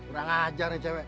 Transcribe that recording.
kurang ajar nih cewek